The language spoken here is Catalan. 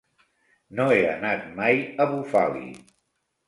No he anat mai a Bufali.